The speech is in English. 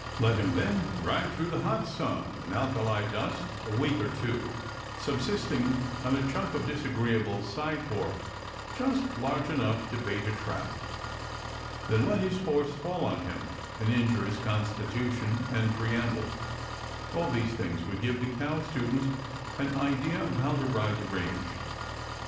Let him then ride through the hot sun and alkali dust a week or two, subsisting on a chunk of disagreeable side pork just large enough to bait a trap. Then let his horse fall on him and injure his constitution and preamble. All these things would give the cow student an idea of how to ride the range.